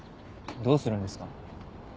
どうするんですか？